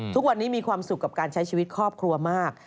ทุกวันนี้มีความสุขกับการใช้ชีวิตครอบครัวมาก